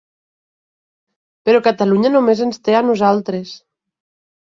Però Catalunya només ens té a nosaltres.